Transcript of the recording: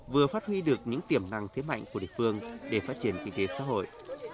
vừa phát huy được những tiềm năng thế mạnh của địa phương để phát triển kinh tế xã hội